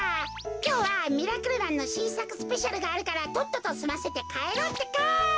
きょうは「ミラクルマン」のしんさくスペシャルがあるからとっととすませてかえろうってか。